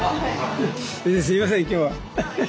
すみません今日は。